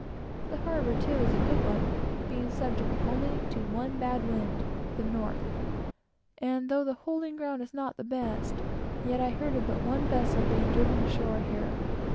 The harbor, too, is a good one, being subject only to one bad wind, the north; and though the holding ground is not the best, yet I heard of but one vessel's being driven ashore here.